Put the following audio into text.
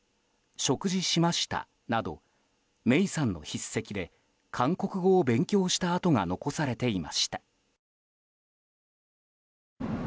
「食事しました」など芽生さんの筆跡で韓国語を勉強した跡が残されていました。